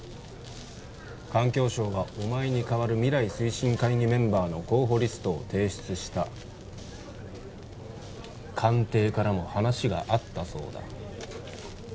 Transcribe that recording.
環境省がお前にかわる未来推進会議メンバーの候補リストを提出した官邸からも話があったそうだ